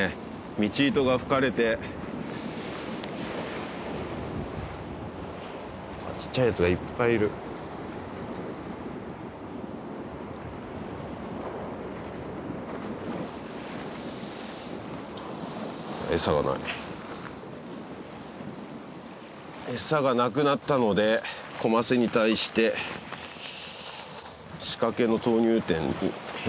ミチイトがふかれてあ小っちゃいやつがいっぱいいるエサがないエサがなくなったのでコマセに対して仕掛けの投入点に変化を